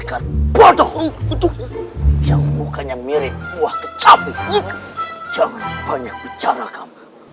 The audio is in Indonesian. dekat bodoh untuk yang mukanya mirip buah kecapi jangan banyak bicara kamu jangan banyak bicara kamu